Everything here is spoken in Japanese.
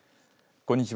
こんにちは。